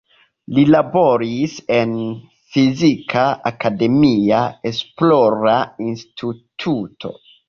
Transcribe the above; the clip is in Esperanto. Li laboris en fizika akademia esplora instituto.